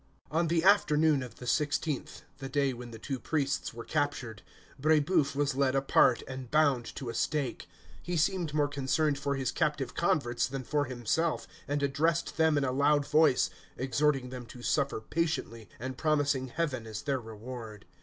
On the afternoon of the sixteenth, the day when the two priests were captured, Brébeuf was led apart, and bound to a stake. He seemed more concerned for his captive converts than for himself, and addressed them in a loud voice, exhorting them to suffer patiently, and promising Heaven as their reward.